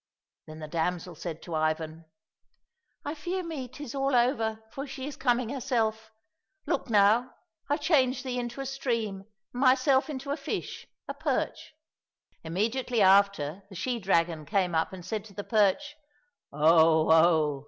Then the damsel said to Ivan, " I fear me 'tis all over, for she is coming herself ! Look now ! I'll change thee into a stream and myself into a fish — a perch." Immediately after the she dragon came up and said to the perch, " Oh, oh